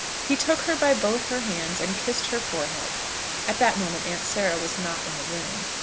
He took her by both her hands, and kissed her forehead. At that moment Aunt Sarah was not in the room.